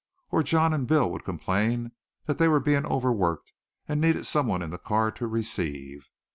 Or John and Bill would complain that they were being overworked and needed someone in the car to receive.